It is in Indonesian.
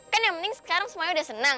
kan yang penting sekarang semuanya udah senang